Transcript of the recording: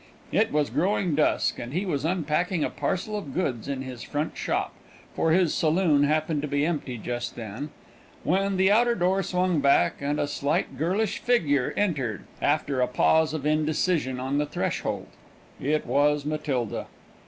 It was growing dusk, and he was unpacking a parcel of goods in his front shop for his saloon happened to be empty just then when the outer door swung back, and a slight girlish figure entered, after a pause of indecision on the threshold. It was Matilda.